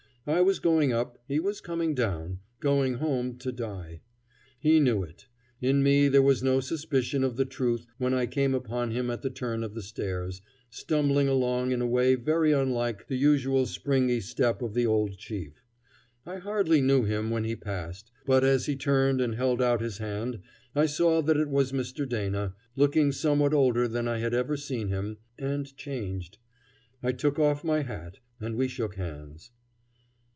I was going up; he was coming down going home to die. He knew it. In me there was no suspicion of the truth when I came upon him at the turn of the stairs, stumbling along in a way very unlike the usual springy step of the Old Chief. I hardly knew him when he passed, but as he turned and held out his hand I saw that it was Mr. Dana, looking somehow older than I had ever seen him, and changed. I took off my hat and we shook hands.